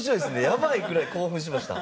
やばいくらい興奮しました。